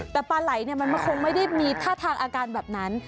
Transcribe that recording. แต่ปลาไหล่มันคงไม่ได้มีท่าทางอาการแบบนั้น